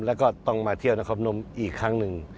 แล้วก็ต้องมาเที่ยวนครนมอีกครั้งหนึ่ง